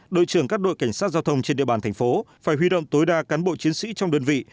đội trưởng các đội cảnh sát giao thông trên địa bàn thành phố phải huy động tối đa cán bộ chiến sĩ trong đơn vị